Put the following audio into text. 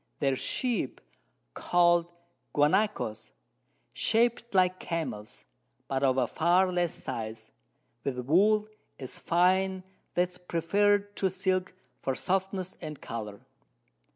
Their Sheep call'd Guanacos, shap'd like Camels, but of a far less Size, with Wool so fine that it is preferr'd to Silk for Softness and Colour.